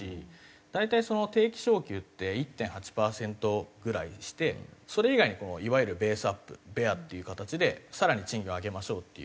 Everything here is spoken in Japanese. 大体定期昇給って１．８パーセントぐらいしてそれ以外にいわゆるベースアップベアっていう形で更に賃金を上げましょうっていう。